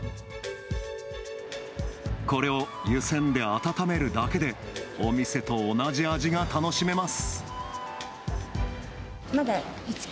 これを湯せんで温めるだけでお店と同じ味が楽しめます。